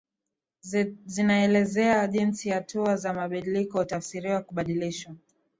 zinaelezea jinsi hatua za mabadiliko hutafsiriwa kubadilishwa